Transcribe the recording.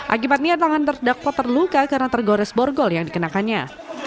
akibatnya tangan terdakwa terluka karena tergores borgol yang dikenakannya